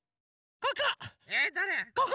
ここ！